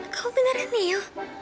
kau beneran neo